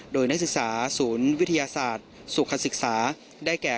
โดยนักศึกษาศูนย์วิทยาศาสตร์สุขศึกษาได้แก่